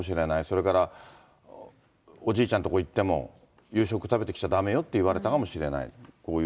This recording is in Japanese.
それからおじいちゃんとこ行っても、夕食食べてきちゃだめよって言われたかもしれない。